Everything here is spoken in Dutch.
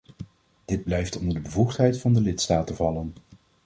Dit blijft onder de bevoegdheid van de lidstaten vallen.